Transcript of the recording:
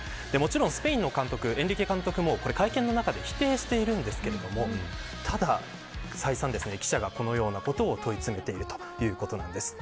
スペインの監督、エンリケ監督も会見の中では否定していますがただ記者が再三、このようなことを問い詰めているということです。